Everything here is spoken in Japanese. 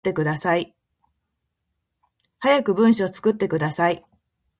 早く文章作ってください